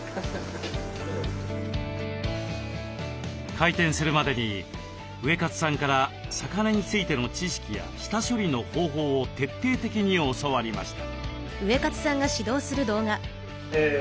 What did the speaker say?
開店するまでにウエカツさんから魚についての知識や下処理の方法を徹底的に教わりました。